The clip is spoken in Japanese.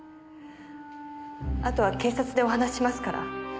あとは警察でお話ししますから。